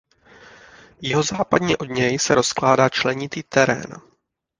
Jihozápadně od něj se rozkládá členitý terén.